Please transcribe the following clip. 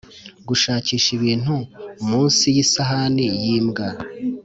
gushakisha ibintu munsi yisahani yimbwa,